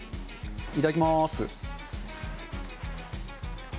いただきます。